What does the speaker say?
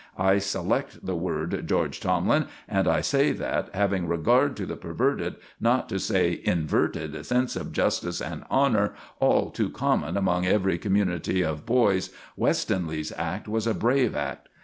I select the word, George Tomlin, and I say that, having regard to the perverted, not to say inverted, sense of justice and honor all too common among every community of boys, Westonleigh's act was a brave act.